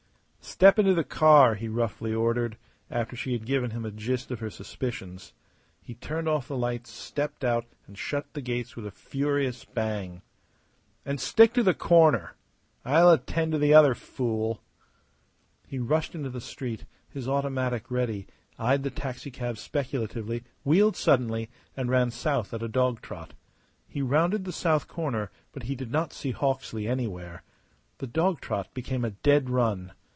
"Step into the car!" he roughly ordered, after she had given him a gist of her suspicions. He turned off the lights, stepped out, and shut the gates with a furious bang. "And stick to the corner! I'll attend to the other fool." He rushed into the street, his automatic ready, eyed the taxicab speculatively, wheeled suddenly, and ran south at a dog trot. He rounded the south corner, but he did not see Hawksley anywhere. The dog trot became a dead run.